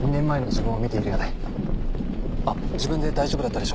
あっ自分で大丈夫だったでしょうか？